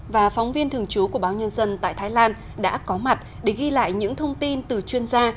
và phóng viên thường trú của báo nhân dân tại thái lan đã có mặt để ghi lại những thông tin từ chuyên gia